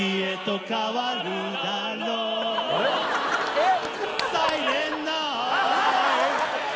・えっ？